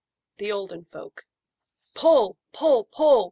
THE OLDEN FOLK. "Pull, pull, pull!"